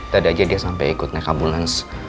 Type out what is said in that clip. tadi aja dia sampai ikut naik ambulans